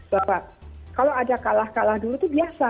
bahwa kalau ada kalah kalah dulu itu biasa